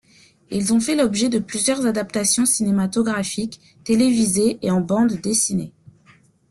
Ils ont fait l'objet de plusieurs adaptations cinématographiques, télévisées et en bande dessinée.